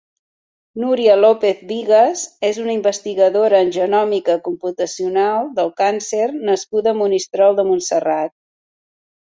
Núria López Bigas és una investigadora en genòmica computacional del càncer nascuda a Monistrol de Montserrat.